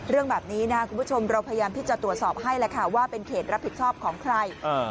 เรื่องแบบนี้นะครับคุณผู้ชมเราพยายามที่จะตรวจสอบให้แหละค่ะว่าเป็นเขตรับผิดชอบของใคร